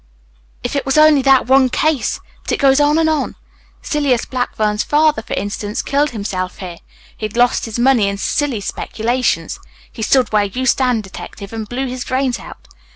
If it was only that one case! But it goes on and on. Silas Blackburn's father, for instance, killed himself here. He had lost his money in silly speculations. He stood where you stand, detective, and blew his brains out.